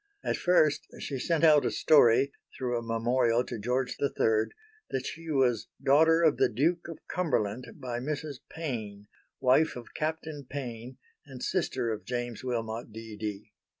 At first she sent out a story, through a memorial to George III, that she was daughter of the Duke of Cumberland by Mrs. Payne, wife of Captain Payne and sister of James Wilmot D. D.